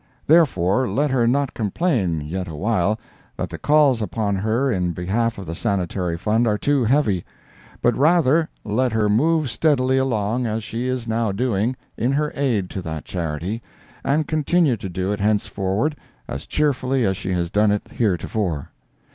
Therefore, let her not complain, yet awhile, that the calls upon her in behalf of the Sanitary Fund are too heavy, but rather let her move steadily along, as she is now doing, in her aid to that charity, and continue to do it henceforward as cheerfully as she has done it heretofore.